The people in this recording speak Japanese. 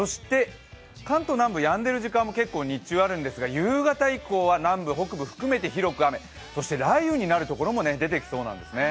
関東南部、やんでいる時間も日中は結構あるんですが、夕方以降は南部、北部含めて広く雨、そして雷雨になるところも出てきそうなんですね。